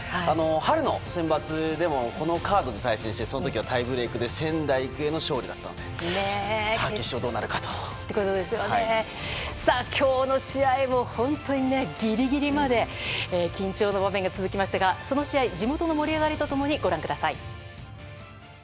春のセンバツでもこのカードで対戦してその時は、タイブレークで仙台育英の勝利だったので今日の試合もギリギリまで緊張の場面が続きましたがその試合地元の盛り上がりと共にご覧ください。